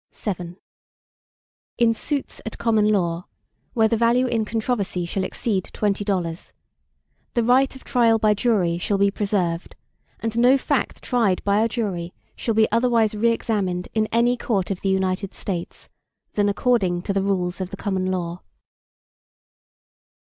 VII In suits at common law, where the value in controversy shall exceed twenty dollars, the right of trial by jury shall be preserved, and no fact tried by a jury shall be otherwise re examined in any court of the United States, than according to the rules of the common law.